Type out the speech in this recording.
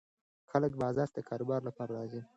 خلک بازار ته د کاروبار لپاره راځي.